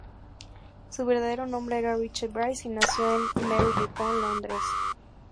Su verdadero nombre era Richard Bryce, y nació en Marylebone, Londres.